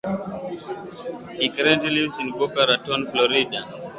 He currently lives in Boca Raton, Florida.